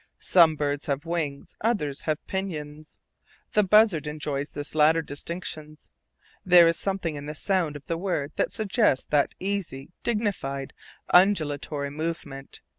Some birds have wings, others have "pinions." The buzzard enjoys this latter distinctions. There is something in the sound of the word that suggests that easy, dignified, undulatory movement.